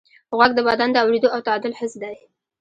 غوږ د بدن د اورېدو او تعادل حس دی.